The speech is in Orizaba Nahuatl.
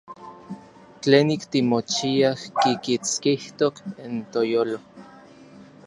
Tlenik timochiaj kikitskijtok n toyolo.